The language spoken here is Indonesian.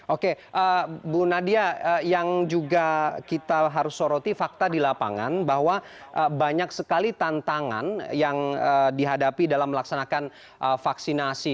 oke bu nadia yang juga kita harus soroti fakta di lapangan bahwa banyak sekali tantangan yang dihadapi dalam melaksanakan vaksinasi